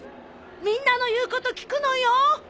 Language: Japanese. みんなの言うこと聞くのよ！